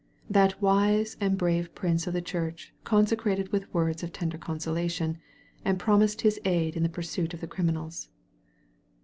That wise and brave prince of the church consented with words of tender consolation, and promised his aid in the pursuit of the criminals.